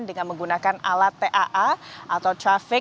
dengan menggunakan alat taa atau trafik